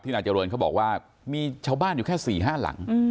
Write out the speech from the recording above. ที่นาจริงเขาบอกว่ามีชาวบ้านอยู่แค่สี่ห้าหลัง